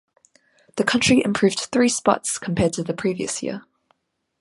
The country improved three spots compared to the previous year.